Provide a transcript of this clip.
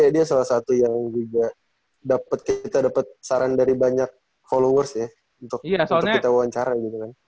dia salah satu yang juga kita dapat saran dari banyak followers ya untuk kita wawancara gitu kan